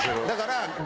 だから。